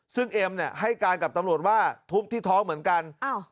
ซึ่งเอ็มให้การกับตำรวจว่าทุบที่ท้องเหมือนกัน